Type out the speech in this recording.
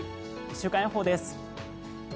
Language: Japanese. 週間予報です。